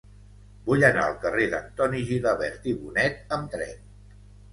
Vull anar al carrer d'Antoni Gilabert i Bonet amb tren.